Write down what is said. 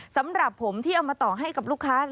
สำหรับผมที่เอามาต่อให้กับลูกค้า